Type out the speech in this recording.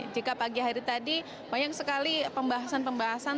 jika pagi hari tadi banyak sekali pembahasan pembahasan